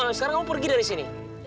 nah sekarang kamu pergi dari sini